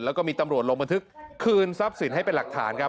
แล้วก็มีตำรวจลงบันทึกคืนทรัพย์สินให้เป็นหลักฐานครับ